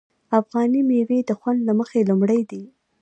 افغاني میوې د خوند له مخې لومړی دي.